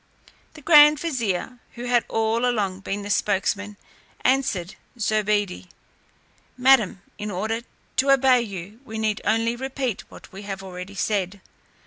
The grand vizier who had all along been the spokesman, answered Zobeide: "Madam, in order to obey you, we need only repeat what we have already said.